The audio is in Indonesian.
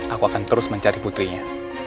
aku akan terus mencari putrinya